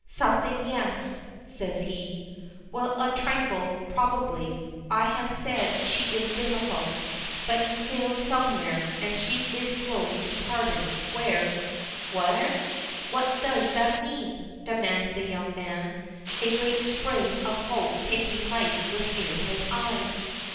"Something, yes," says he. "Well, a trifle, probably. I have said she is difficult. But you failed somewhere, and she is slow to pardon where " "Where! What does that mean?" demands the young man, a great spring of hope taking life within his eyes.